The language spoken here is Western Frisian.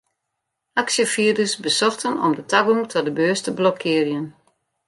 Aksjefierders besochten om de tagong ta de beurs te blokkearjen.